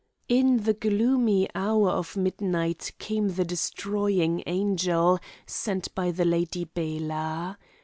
In the gloomy hour of midnight came the destroying angel, sent by the Lady Bela.